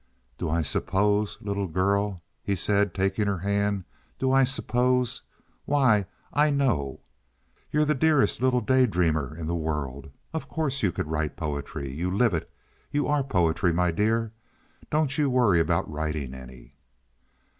"Do I suppose, little girl?" he said, taking her hand. "Do I suppose? Why, I know. You're the dearest little day dreamer in the world. Of course you could write poetry. You live it. You are poetry, my dear. Don't you worry about writing any."